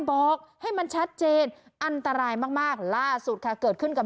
บอกให้มันชัดเจนอันตรายมากมากล่าสุดค่ะเกิดขึ้นกับ